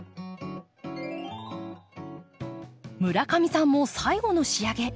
村上さんも最後の仕上げ。